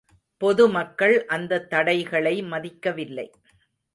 பொது மக்கள் அந்தத் தடைகளை மதிக்கவில்லை.